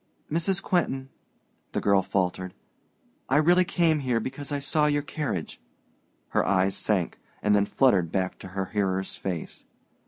"Mrs. Quentin," the girl faltered, "I really came here because I saw your carriage." Her eyes sank, and then fluttered back to her hearer's face.